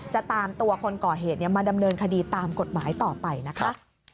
จะตามตัวคนก่อเหตุมาดำเนินคดีตามกฎหมายต่อไปนะคะ